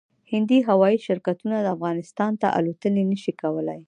هندي هوايي شرکتونه افغانستان ته الوتنې نشي کولای